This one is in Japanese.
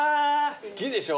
好きでしょ？